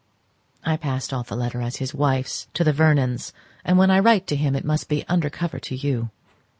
I passed off the letter as his wife's, to the Vernons, and when I write to him it must be under cover to you.